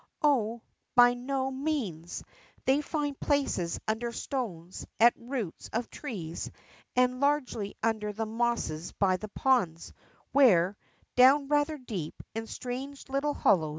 Oh, by no means ! They find places under stones, at roots of trees, and largely under the mosses by the ponds, where, down rather deep, in strange little hollows, 22 BOOM A.